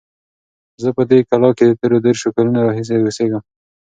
زه په دې کلا کې د تېرو دېرشو کلونو راهیسې اوسیږم.